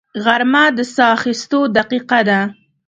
غرمه د ساه اخیستو دقیقه ده